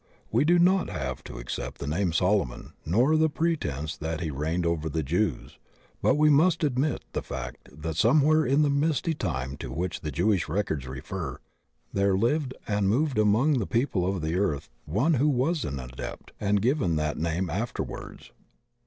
We do not have to accept the name Solomon nor the pretense that he reigned over the Jews, but we must admit the fact that somewhere in the misty time to which the Jewish records refer there lived and moved among the people of the earth one who was an Adept and given that name afterwards.